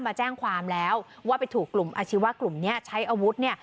มาแจ้งความแล้วว่าไปถูกกลุ่มอาชีวะกลุ่มนี้ใช้อาวุธเนี่ย